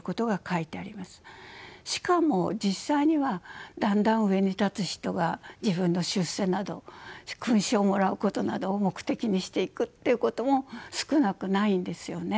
しかも実際にはだんだん上に立つ人が自分の出世など勲章をもらうことなどを目的にしていくっていうことも少なくないんですよね。